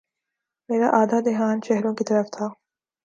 میرا آدھا دھیان چہروں کی طرف تھا۔